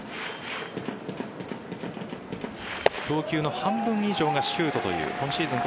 投球の半分以上がシュートという今シーズン